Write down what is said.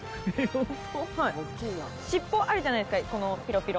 尻尾あるじゃないですかこのピロピロ。